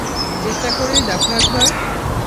চেষ্টা করেই দেখ একবার!